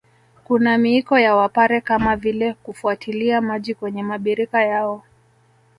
Kuna miiko ya Wapare kama vile kufuatilia maji kwenye mabirika yao